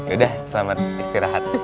udah selamat istirahat